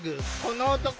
この男。